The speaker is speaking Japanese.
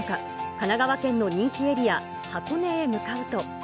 神奈川県の人気エリア、箱根へ向